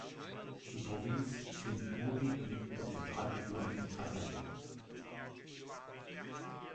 Die Provinz Sing Buri liegt in der Zentralregion von Thailand.